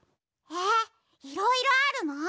えっいろいろあるの？